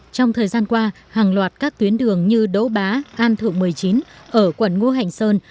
trong thời gian qua hàng loạt các tuyến đường như đỗ bá an thượng một mươi chín ở quận ngu hành sơn